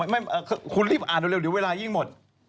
ไม่คุณรีบอ่านเร็วเดี๋ยวเวลายิ่งหมด